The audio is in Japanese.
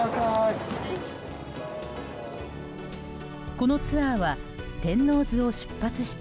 このツアーは天王洲を出発した